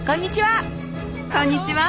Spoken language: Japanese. こんにちは！